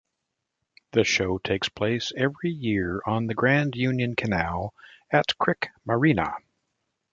The show takes place every year on the Grand Union Canal at Crick Marina.